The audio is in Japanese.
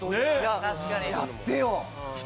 やってよ！